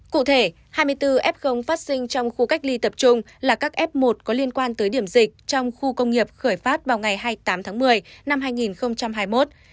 cụ thể hai mươi bốn f phát sinh trong khu cách ly tập trung là các f một có liên quan tới điểm dịch trong khu công nghiệp khởi phát vào ngày hai mươi tám tháng một mươi năm hai nghìn hai mươi một